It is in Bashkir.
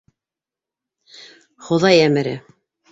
Хоҙай әмере.